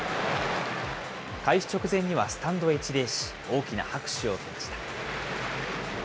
開始直前にはスタンドへ一礼し、大きな拍手を受けました。